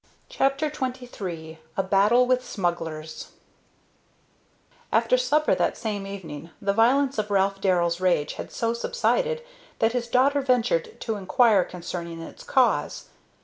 CHAPTER XXIII A BATTLE WITH SMUGGLERS After supper that same evening the violence of Ralph Darrell's rage had so subsided that his daughter ventured to inquire concerning its cause.